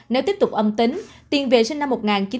nếu tiếp tục âm tính tiền vệ sinh năm một nghìn chín trăm chín mươi